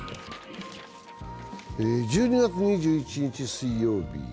１２月２１日水曜日。